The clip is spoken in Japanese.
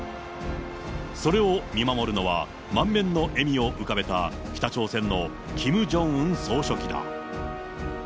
それを見守るのは、満面の笑みを浮かべた、北朝鮮のキム・ジョンウン総書記だ。